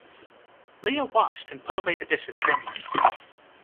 Lia washed and put away the dishes grimly.